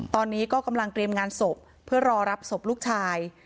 ตอนนี้ก็กำลังเตรียมงานศพเพื่อรอรับศพลูกชาย